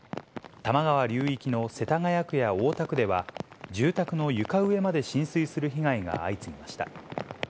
多摩川流域の世田谷区や大田区では、住宅の床上まで浸水する被害が相次ぎました。